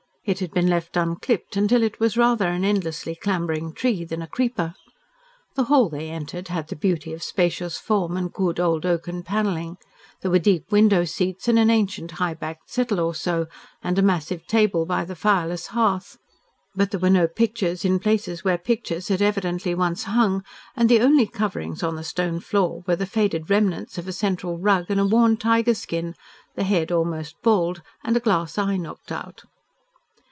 It had been left unclipped, until it was rather an endlessly clambering tree than a creeper. The hall they entered had the beauty of spacious form and good, old oaken panelling. There were deep window seats and an ancient high backed settle or so, and a massive table by the fireless hearth. But there were no pictures in places where pictures had evidently once hung, and the only coverings on the stone floor were the faded remnants of a central rug and a worn tiger skin, the head almost bald and a glass eye knocked out.